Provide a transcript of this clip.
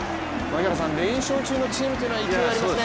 連勝中のチームというのは勢いありますね。